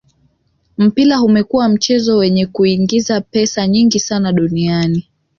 mpira umekua mchezo wenye kuingiza pesa nyingi sana duniani